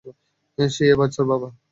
সে এই বাচ্চার বাবা।